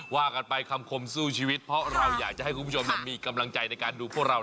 ว่ากันไปขำขมสู้ชีวิตเพราะให้มีกำลังใจในการดูพวกเรา